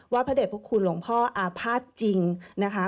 พระเด็จพระคุณหลวงพ่ออาภาษณ์จริงนะคะ